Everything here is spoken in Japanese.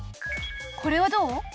これはどう？